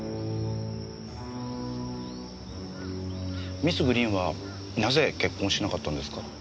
ミス・グリーンはなぜ結婚しなかったんですか？